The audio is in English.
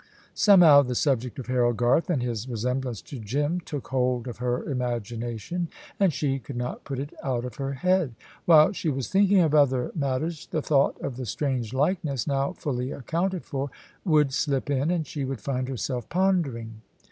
Somehow the subject of Harold Garth and his resemblance to Jim took hold of her imagination, and she could not put it out of her head. While she was thinking of other matters, the thought of the strange likeness now fully accounted for would slip in, and she would find herself pondering.